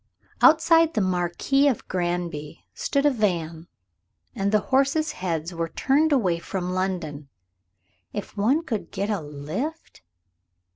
Outside the "Marquis of Granby" stood a van, and the horses' heads were turned away from London. If one could get a lift?